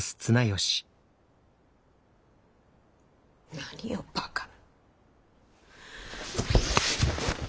何をバカな。